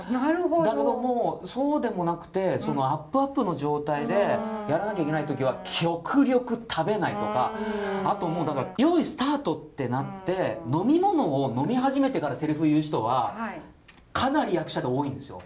だけどもうそうでもなくてアップアップの状態でやらなきゃいけない時は極力食べないとかあともう「よいスタート」ってなって飲み物を飲み始めてからセリフを言う人はかなり役者で多いんですよ。